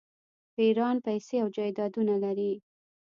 پیران پیسې او جایدادونه لري.